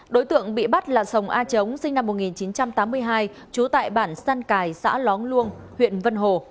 đối tượng bị bắt là sồng a chống sinh năm một nghìn chín trăm tám mươi hai trú tại bản săn cải xã lóng luông huyện vân hồ